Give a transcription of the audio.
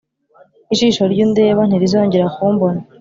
ijisho ry’undeba ntirizongera kumbona